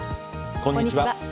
こんにちは。